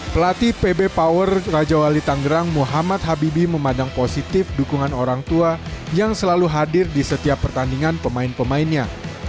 pelatih pb power raja wali tanggerang muhammad habibi memandang positif dukungan orang tua yang selalu hadir di setiap pertandingan pemain pemainnya